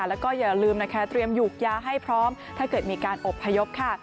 แล้วก็อย่าลืมนะคะเตรียมหยุกยาให้พร้อมถ้าเกิดมีการอบพยพค่ะ